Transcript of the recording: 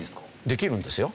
できるんですよ。